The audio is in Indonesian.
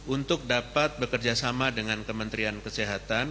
untuk dapat bekerjasama dengan kementerian kesehatan